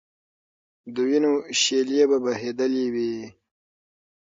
د وینو شېلې به بهېدلې وي.